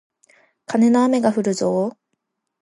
カネの雨がふるぞー